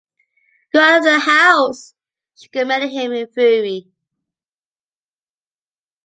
“Go out of the house!” she commanded him in fury.